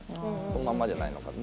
このままじゃないのかと。